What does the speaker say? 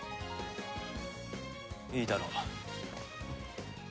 いいだろう。